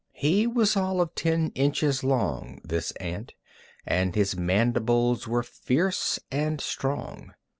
He was all of ten inches long, this ant, and his mandibles were fierce and strong.